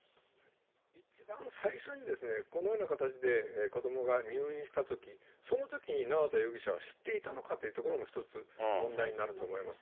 一番最初にこのような形で子どもが入院したとき、そのときに縄田容疑者は知っていたのかというところも一つ、問題になると思います。